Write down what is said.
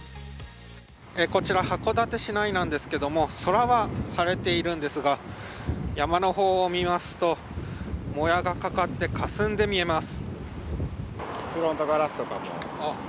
こちら函館市内なんですけども空は晴れているんですが山の方を見ますともやがかかって、かすんで見えます。